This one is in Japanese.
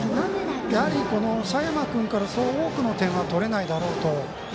やはり、佐山君からそう多くの点は取れないだろうと。